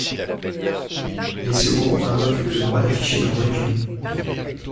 Les seconds invoquent le droit d'afficher leur religion.